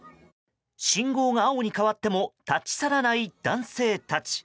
信号が青に変わっても立ち去らない男性たち。